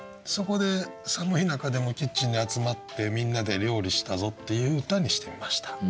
そこで寒い中でもキッチンに集まってみんなで料理したぞっていう歌にしてみました。